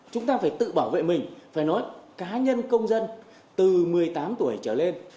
chúng ta phải tự bảo vệ mình phải nói cá nhân công dân từ một mươi tám tuổi trở lên